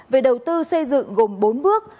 về đầu tư xây dựng gồm bốn bước